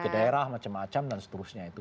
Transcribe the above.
ke daerah macam macam dan seterusnya itu